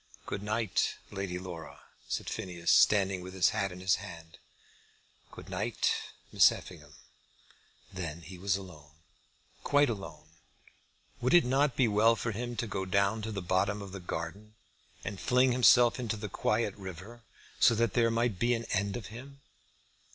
"Good night, Lady Laura," said Phineas, standing with his hat in his hand, "good night, Miss Effingham." Then he was alone, quite alone. Would it not be well for him to go down to the bottom of the garden, and fling himself into the quiet river, so that there might be an end of him?